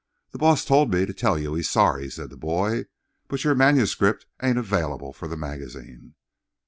"The boss told me to tell you he's sorry," said the boy, "but your manuscript ain't available for the magazine."